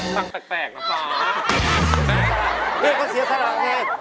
ตั้งแปลกนะครับ